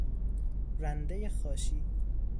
رندهی خاشی